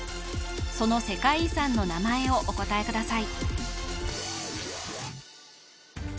その世界遺産の名前をお答えください